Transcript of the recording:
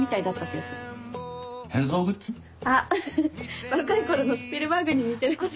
あっ若い頃のスピルバーグに似てる。